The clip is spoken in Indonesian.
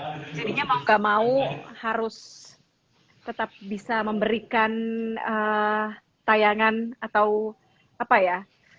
jadinya mau gak mau harus tetap bisa memberikan tayangan atau apa ya